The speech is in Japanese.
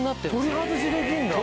取り外しできるんだ？